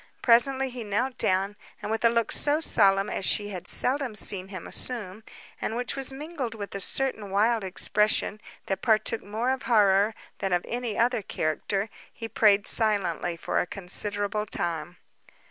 Presently he knelt down, and with a look so solemn as she had seldom seen him assume, and which was mingled with a certain wild expression, that partook more of horror than of any other character, he prayed silently for a considerable time.